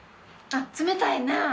あっ冷たいな。